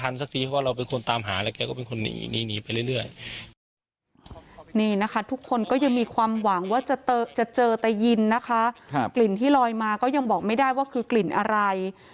นี่นะคะทุกคนก็ยังมีความหวังว่าจะเจอแต่ยินนะคะกลิ่นที่ลอยมาก็ยังบอกไม่ได้ว่าคือกลิ่นอะไร